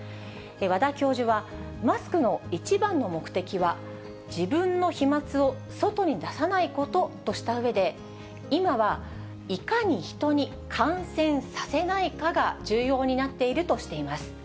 和田教授は、マスクの一番の目的は、自分の飛まつを外に出さないこととしたうえで、今はいかに人に感染させないかが重要になっているとしています。